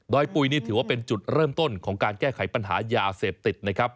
ปุ๋ยนี่ถือว่าเป็นจุดเริ่มต้นของการแก้ไขปัญหายาเสพติดนะครับ